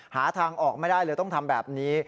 หาทางออกไม่ได้เลยต้องทำแบบนี้